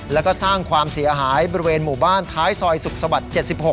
แล้วก็สร้างความเสียหายบริเวณหมู่บ้านท้ายซอยสุขสวรรค์๗๖